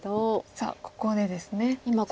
さあここでですね